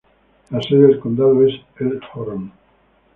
La sede del condado es Elkhorn.